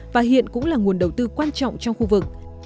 và hiện cũng là nguồn đầu tư quan trọng trong khu vực